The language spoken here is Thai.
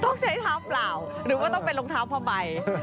ต้องใช้เท้าเปล่าหรือว่าต้องเป็นรองเท้าผ้าใบ